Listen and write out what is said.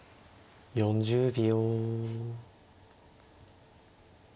４０秒。